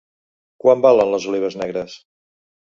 Quant valen les olives negres?